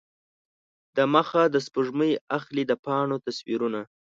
دمخه د سپوږمۍ اخلي د پاڼو تصویرونه